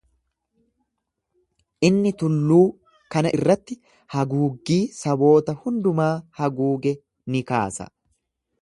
Inni tulluu kana irratti haguuggii saboota hundumaa haguuge ni kaasa.